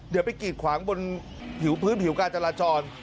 เดี๋ยวไปกีดขวางบนผิวพื้นผิวการจราจร